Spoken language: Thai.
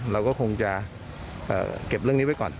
เราก็คงจะเก็บเรื่องนี้ไว้ก่อน